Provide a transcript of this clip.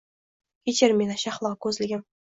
Kechir meni! Shahlo kuzligim